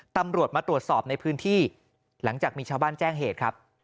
ตำรวจมาตรวจสอบในพื้นที่หลังจากมีชาวบ้านแจ้งเหตุครับ